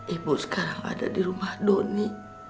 ibu sekarang ada di rumah doni